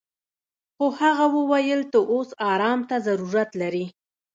خو هغه وويل ته اوس ارام ته ضرورت لري.